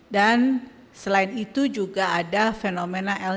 dan selain itu juga ada perlambatan ekonomi global yang berharga